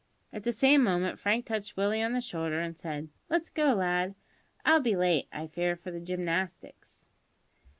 At the same moment Frank touched Willie on the shoulder, and said, "Let's go, lad; I'll be late, I fear, for the gymnastics."